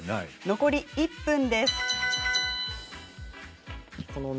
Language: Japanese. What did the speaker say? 残り１分です。